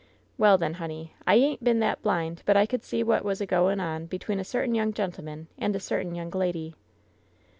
"Well, then, honey, I ain't been that blind but I could see what was a goin' on between a certain young gentle man aflid a certain young lady."